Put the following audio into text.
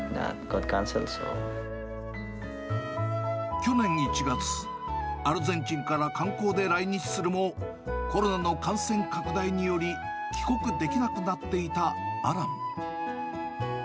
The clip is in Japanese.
去年１月、アルゼンチンから観光で来日するも、コロナの感染拡大により、帰国できなくなっていたアラン。